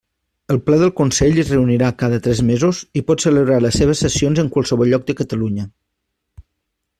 El Ple del Consell es reunirà cada tres mesos i pot celebrar les seves sessions en qualsevol lloc de Catalunya.